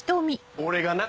俺がな。